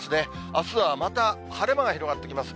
あすはまた晴れ間が広がってきます。